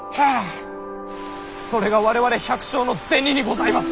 それが我々百姓の銭にございます！